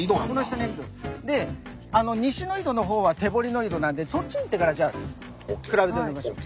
で西の井戸のほうは手掘りの井戸なんでそっち行ってからじゃあ比べてみましょう。